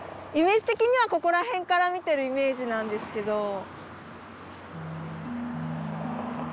イメージ的にはここら辺から見てるイメージなんですけど。